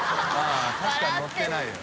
確かにのってないよ。